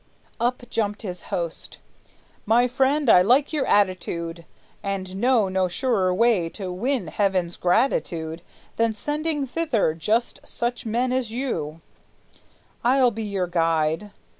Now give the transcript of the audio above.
Up jumped his host. "My friend, I like your attitude, And know no surer way to win heaven's gratitude Than sending thither just such men as you; I'll be your guide.